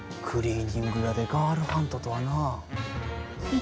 クリーニング屋でガールハントとはなあ。